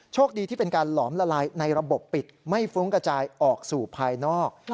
คดีที่เป็นการหลอมละลายในระบบปิดไม่ฟุ้งกระจายออกสู่ภายนอก